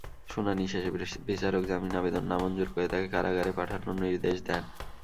শুনানি শেষে বিচারক জামিন আবেদন নামঞ্জুর করে তাঁকে কারাগারে পাঠানোর নির্দেশ দেন।